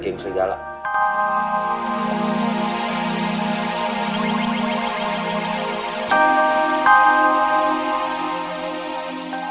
masuk kuliah dulu